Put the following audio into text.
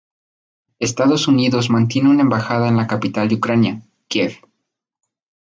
Estados Unidos mantiene una embajada en la capital de Ucrania, Kiev.